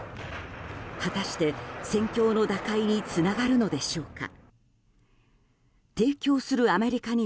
果たして、戦況の打開につながるのでしょうか。